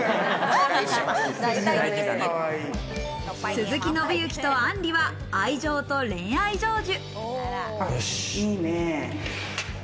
鈴木伸之とあんりは愛情と恋愛成就。